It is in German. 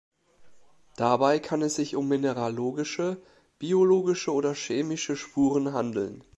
Dabei kann es sich um mineralogische, biologische oder chemische Spuren handeln.